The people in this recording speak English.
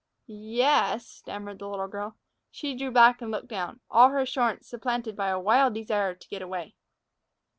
"Y e e s," stammered the little girl. She drew back and looked down, all her assurance supplanted by a wild desire to get away.